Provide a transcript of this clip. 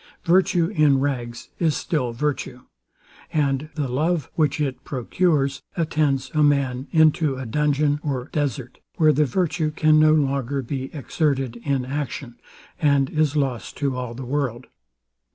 Virtue in rags is still virtue; and the love, which it procures, attends a man into a dungeon or desart, where the virtue can no longer be exerted in action, and is lost to all the world.